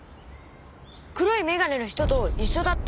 黒い眼鏡の人と一緒だった。